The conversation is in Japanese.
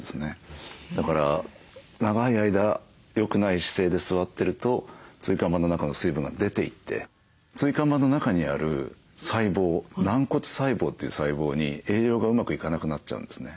だから長い間よくない姿勢で座ってると椎間板の中の水分が出ていって椎間板の中にある細胞軟骨細胞という細胞に栄養がうまく行かなくなっちゃうんですね。